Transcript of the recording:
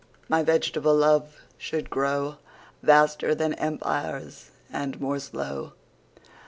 My vegetable Love should growVaster then Empires, and more slow.